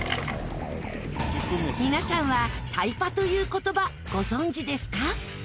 皆さんはタイパという言葉ご存じですか？